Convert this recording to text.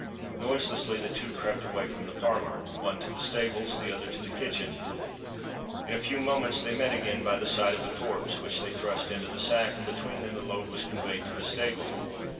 Noiselessly the two crept away from the parlour—one to the stables, the other to the kitchen. In a few minutes they met again by the side of the corpse, which they thrust into the sack; and between them the load was conveyed to the stable.